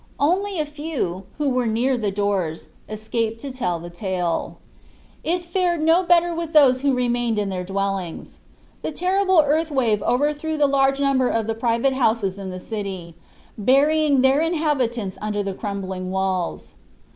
Only a few, who were near the doors, escaped to tell the tale. It fared no better with those who had remained in their dwellings. The terrible earth wave overthrew the larger number of the private houses in the city, burying their inhabitants under the crumbling walls.